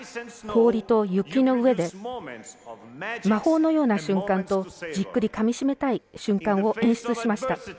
氷と雪の上で魔法のような瞬間とじっくりかみ締めたい瞬間を演出しました。